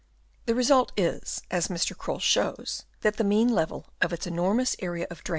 The result is, as Mr. Croll shows, that the mean level of its enormous area of * A.